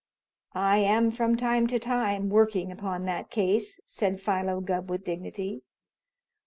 "I am from time to time working upon that case," said Philo Gubb with dignity.